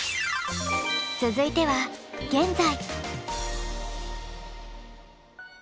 続いては「現在」。